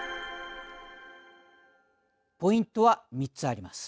ポイントは３つあります。